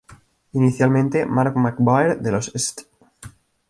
Inicialmente, Mark McGwire de los St.